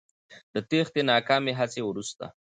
د تېښتې ناکامې هڅې وروسته